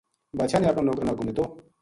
بادشاہ نے اپنا نوکراں نا حکم دیتو